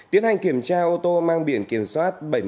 tiến hành kiểm tra ô tô mang biển kiểm soát